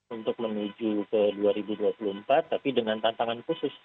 untuk menuju ke dua ribu dua puluh empat tapi dengan tantangan khusus